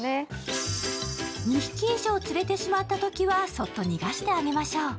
２匹以上釣れてしまったときは、そっと逃がしてあげましょう。